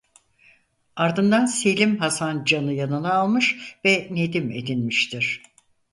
Ardından Selim Hasan Can'ı yanına almış ve nedim edinmiştir.